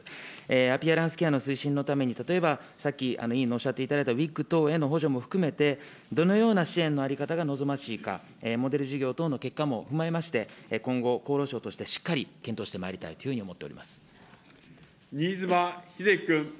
アピアランスケアの推進のために、例えばさっき、委員のおっしゃっていただいたウィッグ等への補助も含めて、どのような支援のあり方が望ましいか、モデル事業等の結果も踏まえまして、今後、厚労省としてしっかり検討してまいりたいという新妻秀規君。